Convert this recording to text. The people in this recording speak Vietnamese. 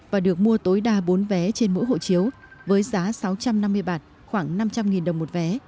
và được mua tối đa bốn vé trên mỗi hộ chiếu với giá sáu trăm năm mươi bạt khoảng năm trăm linh đồng một vé